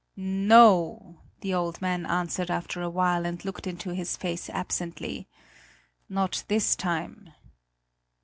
"No," the old man answered after a while and looked into his face absently "not this time."